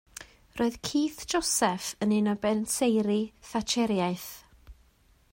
Roedd Keith Joseph yn un o benseiri Thatcheriaeth.